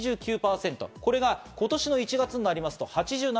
これが今年の１月になりますと８７％。